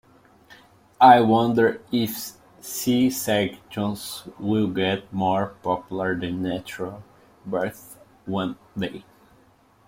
I wonder if C-sections will get more popular than natural births one day.